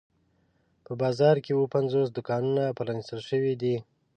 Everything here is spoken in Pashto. په بازار کې اووه پنځوس دوکانونه پرانیستل شوي دي.